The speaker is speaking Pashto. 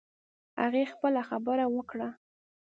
هغې خپله خبره وکړه